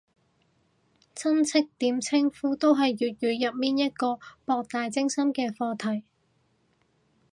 親戚點稱呼都係粵語入面一個博大精深嘅課題